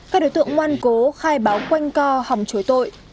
các đối tượng ngoan cố khai báo quanh co hòng chối tội